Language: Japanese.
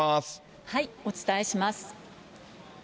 お伝えします。